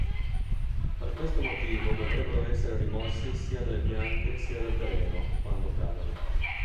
Per questo motivo dovrebbero essere rimossi sia dalle piante sia dal terreno, quando cadono.